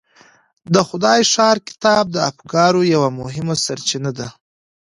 د خدای ښار کتاب د افکارو یوه مهمه سرچینه ده.